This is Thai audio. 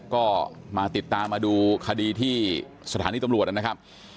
ก็มาติดตามมาดูคดีที่สถานีตำรวจนะครับ